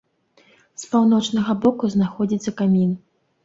З паўночнага боку знаходзіцца камін.